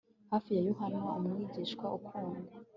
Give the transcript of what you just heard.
Hafi ya Yohana umwigishwa ukundwa